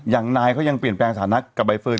อย่างนายเขายังเปลี่ยนแปลงสถานะกับใบเฟิร์น